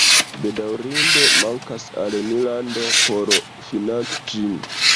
Bedaŭrinde mankas al ni lando por financi ĝin